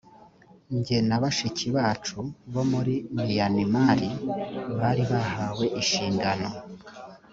nge na bashiki bacu bo muri miyanimari bari bahawe inshingano